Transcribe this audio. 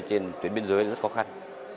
trên tuyến biên giới rất khó khăn